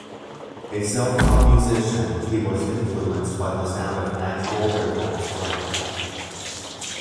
A self-taught musician, he was influenced by the sound of natural rhythms around him.